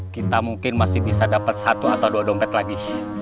kita mungkin masih bisa dapat satu atau dua dompet lagi